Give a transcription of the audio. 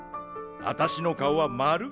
わたしの顔は丸。